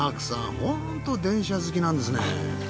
ホント電車好きなんですね。